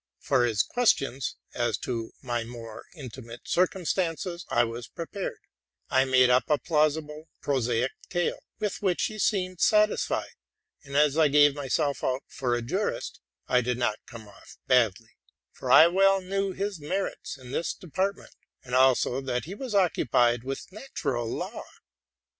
For his questions as to my more intimate circumstances, I was pre pared; I made up a plausible, prosaic tale, with which he seemed satisfied : and, as I gave myself out for a jurist, I did not come off badly ; for I well knew his merits in this depart ment, and also that he was occupied with natural law.